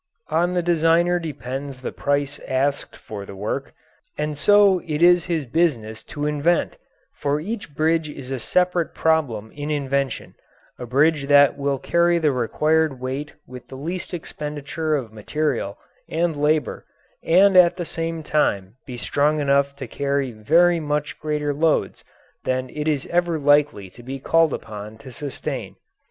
On the designer depends the price asked for the work, and so it is his business to invent, for each bridge is a separate problem in invention, a bridge that will carry the required weight with the least expenditure of material and labour and at the same time be strong enough to carry very much greater loads than it is ever likely to be called upon to sustain.